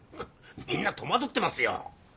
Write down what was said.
みんな戸惑ってますよ。